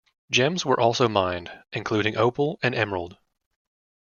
Gems were also mined, including opal and emerald.